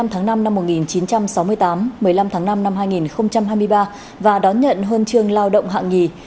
một mươi tháng năm năm một nghìn chín trăm sáu mươi tám một mươi năm tháng năm năm hai nghìn hai mươi ba và đón nhận huân chương lao động hạng nhì